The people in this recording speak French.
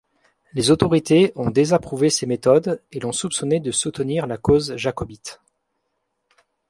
Les autorités ont désapprouvé ses méthodes et l'ont soupçonné de soutenir la cause jacobite.